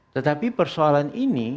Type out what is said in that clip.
tetapi persoalan ini